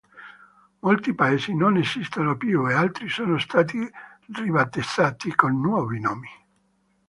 Molti Paesi non esistono più, e altri sono stati ribattezzati con nuovi nomi.